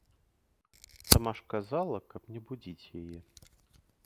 Сама ж казала, каб не будзіць яе.